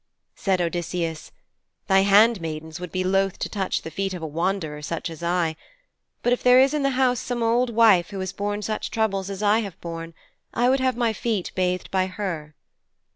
Said Odysseus, 'Thy handmaidens would be loath to touch the feet of a wanderer such as I. But if there is in the house some old wife who has borne such troubles as I have borne, I would have my feet bathed by her.'